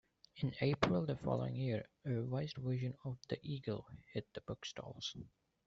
In April the following year, a revised version of the "Eagle" hit the bookstalls.